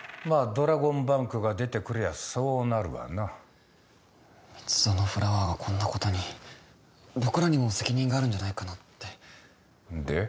ドラゴンバンクが出てくりゃそうなるわな蜜園フラワーがこんなことに僕らにも責任があるんじゃないかなってで？